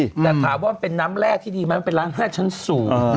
แต่ถามว่าเป็นน้ำแรกที่ดีมั้ยมันเป็นร้านแรกชั้นสูง